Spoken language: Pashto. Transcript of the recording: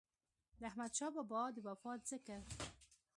د احمد شاه بابا د وفات ذکر